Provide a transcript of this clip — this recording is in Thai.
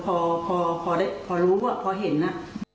พอรู้พอเห็นน่ะ